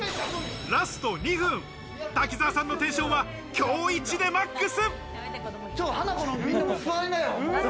ラスト２分、滝沢さんのテンションは今日いちでマックス。